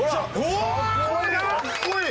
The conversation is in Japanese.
うわかっこいい！